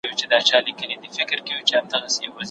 ایا څېړونکی باید د موضوع حدود وپېژني؟